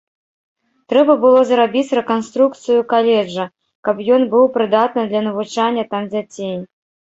Трэба было зрабіць рэканструкцыю каледжа, каб ён быў прыдатны для навучання там дзяцей.